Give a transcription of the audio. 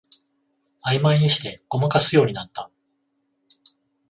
あいまいにしてごまかすようになった